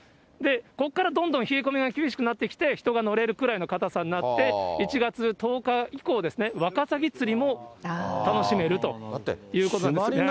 ここからどんどん冷え込みが厳しくなってきて、人が乗れるくらいのかたさになって、１月１０日以降、ワカサギ釣りも楽しめるということなんですね。